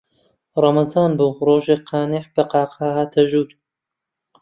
ڕەمەزان بوو، ڕۆژێک قانیع بە قاقا هاتە ژوور